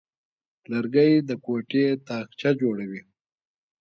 لرګی د کوټې تاقچه جوړوي.